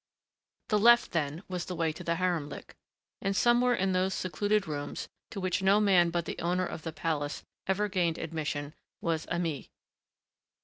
The left, then, was the way to the haremlik. And somewhere in those secluded rooms, to which no man but the owner of the palace ever gained admission, was Aimée.